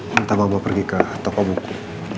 minta mama pergi ke toko buku